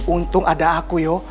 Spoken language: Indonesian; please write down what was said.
untung ada aku yo